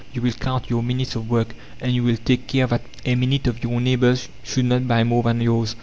You will count your minutes of work, and you will take care that a minute of your neighbours should not buy more than yours.